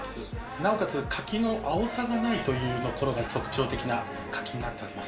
なおかつ柿の青さがないというところが特徴的な柿になっております。